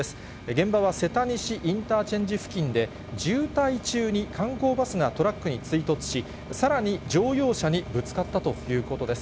現場はせたにしインターチェンジ付近で、渋滞中に観光バスがトラックに追突し、さらに乗用車にぶつかったということです。